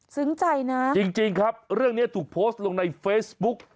ใจนะจริงครับเรื่องนี้ถูกโพสต์ลงในเฟซบุ๊ก